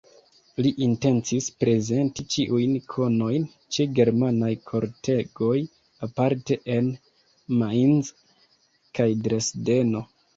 Li intencis prezenti ĉiujn konojn ĉe germanaj kortegoj, aparte en Mainz kaj Dresdeno.